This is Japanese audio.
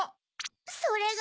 それが。